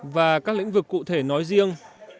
và các lĩnh vực cụ thể nói riêng